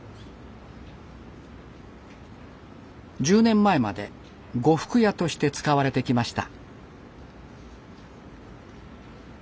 １０年前まで呉服屋として使われてきました。